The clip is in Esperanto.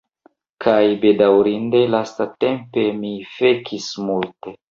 Kaj bedaŭrinde lastatempe, mi fekis multe.